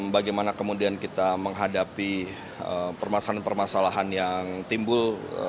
bagaimana kemudian kita menghadapi permasalahan permasalahan yang timbul